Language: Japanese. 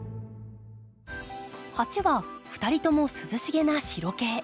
鉢は２人とも涼しげな白系。